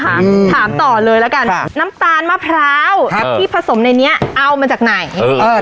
ถามต่อเลยละกันน้ำตาลมะพร้าวที่ผสมในนี้เอามาจากไหน